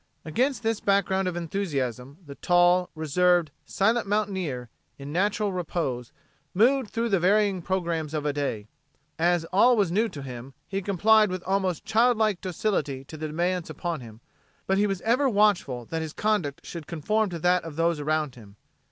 Against this background of enthusiasm, the tall, reserved, silent mountaineer, in natural repose, moved through the varying programs of a day. As all was new to him, he complied with almost childlike docility to the demands upon him, but he was ever watchful that his conduct should conform to that of those around him.